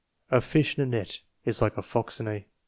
A fish in a net is like a fox in a